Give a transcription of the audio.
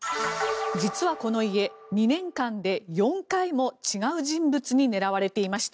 実はこの家、２年間で４回も違う人物に狙われていました。